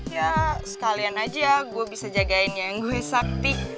ya sekalian aja gue bisa jagain yang gue sakti